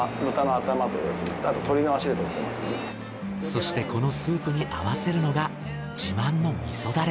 そしてこのスープに合わせるのが自慢の味噌ダレ。